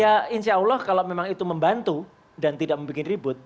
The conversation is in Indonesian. ya insya allah kalau memang itu membantu dan tidak membuat ribut